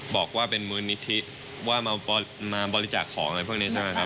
บอกว่าเป็นมูลนิธิว่ามาบริจาคของอะไรพวกนี้ใช่ไหมครับ